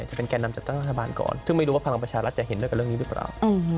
จะเป็นแกนดำจัดตั้งบัฏภาพบ๒๐๒๔นี้คือไม่รู้ว่าพลังประชารัฐจะเห็นด้วยเรื่องนี้หรือเปล่า